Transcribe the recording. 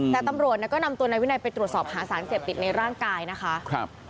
แต่ตำรวจก็นำตัวนายวินัยไปตรวจสอบหาสารเสพติดในร่างกายนะคะ